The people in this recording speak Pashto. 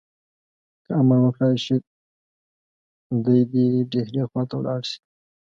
که امر وکړای شي دی دي ډهلي خواته ولاړ شي.